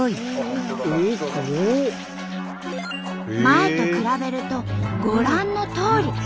前と比べるとご覧のとおり。